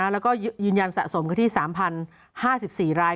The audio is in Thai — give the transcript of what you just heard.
แล้วก็ยืนยันสะสมกันที่๓๐๕๔ราย